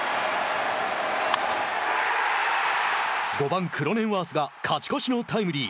５番、クロネンワースが勝ち越しのタイムリー。